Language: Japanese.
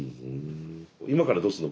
今からどうするの？